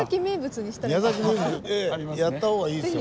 やった方がいいですよ。